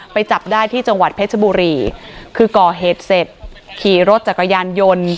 จับได้ที่จังหวัดเพชรบุรีคือก่อเหตุเสร็จขี่รถจักรยานยนต์